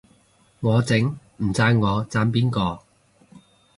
我整，唔讚我讚邊個